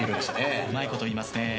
うまいことをいいますね。